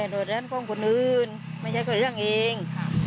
โดยฉะนั้นก็ข้องคนอื่นไม่ใช่ก็เรื่องเอง